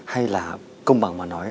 hay là công bằng mà nói